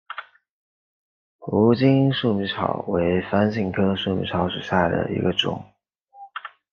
无茎粟米草为番杏科粟米草属下的一个种。